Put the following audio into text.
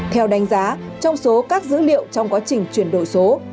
theo đánh giá trong số các dữ liệu trong quá trình chuyển đổi số